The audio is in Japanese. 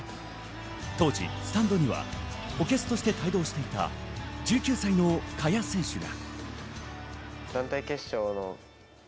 当時、スタンドには補欠として帯同していた、１９歳の萱選手が。